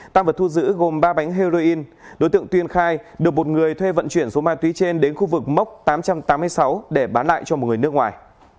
tăng vật thu giữ gồm ba bánh heroin đối tượng tuyên khai được một người thuê vận chuyển số ma túy trên đến khu vực mốc tám trăm tám mươi sáu để bán lại cho một người nước ngoài